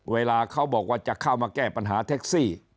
เวลาเขาบอกว่าจะเข้ามาแก้ปัญหาแท็กซี่